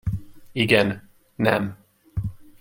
Igen, nem.